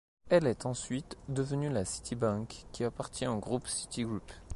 Elle est ensuite devenue la Citibank, qui appartient au groupe Citigroup.